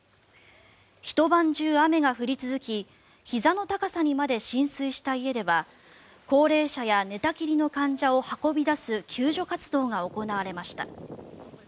ひと晩中雨が降り続きひざの高さにまで浸水した家では高齢者や寝たきりの患者を運び出す救助活動が行われました。